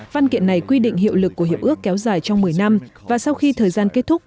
văn kiện này quy định hiệu lực của hiệp ước kéo dài trong một mươi năm và sau khi thời gian kết thúc